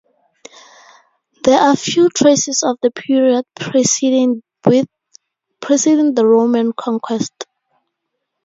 There are few traces of the period preceding the Roman conquest.